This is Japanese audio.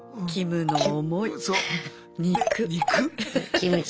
キムチ。